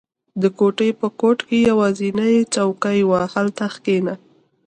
• د کوټې په ګوټ کې یوازینی څوکۍ وه، هلته کښېنه.